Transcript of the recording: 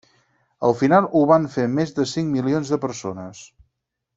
Al final, ho van fer més de cinc milions de persones.